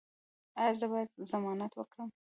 ایا زه باید ضمانت وکړم؟